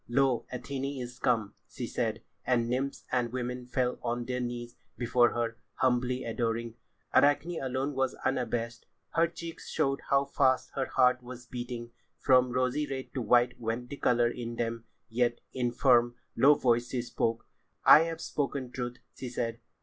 "Lo, Athené is come!" she said, and nymphs and women fell on their knees before her, humbly adoring. Arachne alone was unabashed. Her cheeks showed how fast her heart was beating. From rosy red to white went the colour in them, yet, in firm, low voice she spoke. "I have spoken truth," she said.